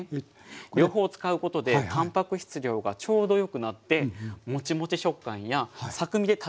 両方を使うことでたんぱく質量がちょうどよくなってモチモチ食感やサクみで食べやすい感じになるんです。